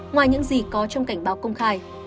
ngoài những gì có trong cảnh báo công khai